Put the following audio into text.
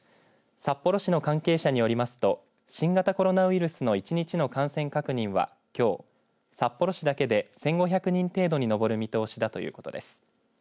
札幌市の関係者によりますと新型コロナウイルスの１日の感染確認はきょう、札幌市だけで１５００人程度に上る見通しだということです。